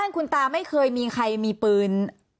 คุณตาไม่เคยมีใครมีปืน